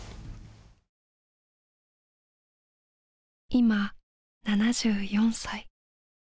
今７４歳。